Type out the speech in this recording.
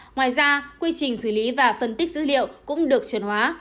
ngoài ra quy trình xử lý và phân tích dữ liệu cũng được chuẩn hóa